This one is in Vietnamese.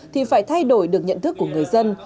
thì phải thay đổi được nhận thức của người dân